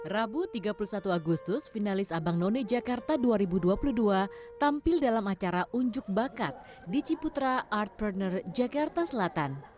rabu tiga puluh satu agustus finalis abang none jakarta dua ribu dua puluh dua tampil dalam acara unjuk bakat di ciputra art partner jakarta selatan